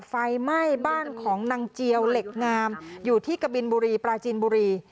ไฟไหม้บ้านของนางเจียวเหล็กงามอยู่ที่กะบินบุรีปลาจีนบุรี